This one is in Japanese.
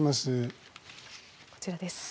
こちらです。